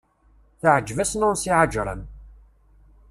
Teεǧeb-as Nansi Ԑeǧrem.